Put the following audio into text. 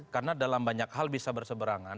karena dalam banyak hal bisa berseberangan